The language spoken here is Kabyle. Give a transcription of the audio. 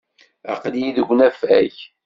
Aql-iyi deg unafag.